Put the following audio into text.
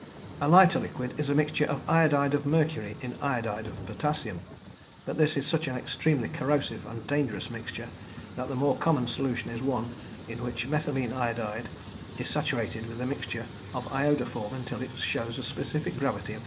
A lighter liquid is a mixture of iodide of mercury in iodide of potassium, but this is such an extremely corrosive and dangerous mixture, that the more common solution is one in which methylene iodide is saturated with a mixture of iodoform until it shows a specific gravity of 3.